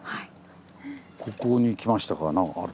ここに来ましたが何かあるんです？